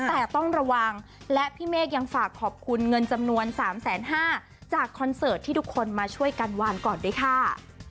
แต่ต้องระวังและพี่เมฆยังฝากขอบคุณเงินจำนวน๓๕๐๐จากคอนเสิร์ตที่ทุกคนมาช่วยกันวานก่อนด้วยค่ะ